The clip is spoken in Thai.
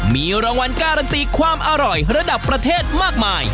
มีรางวัลการันตีความอร่อยระดับประเทศมากมาย